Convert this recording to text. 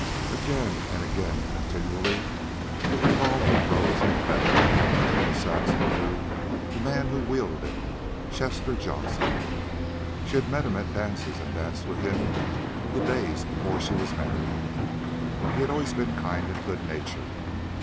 Again and again, continually, the revolver rose and fell, and Saxon knew the man who wielded it Chester Johnson. She had met him at dances and danced with him in the days before she was married. He had always been kind and good natured.